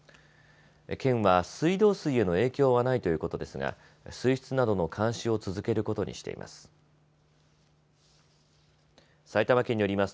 県は水道水への影響はないということですが水質などの監視を続けることにしています。